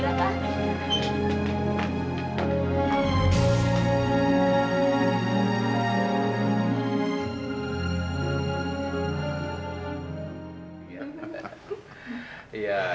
ayo kita pergi rafa